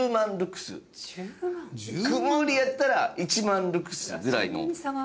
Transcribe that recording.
曇りやったら１万ルクスぐらいの。